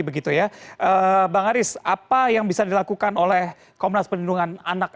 bang aris apa yang bisa dilakukan oleh komnas perlindungan anak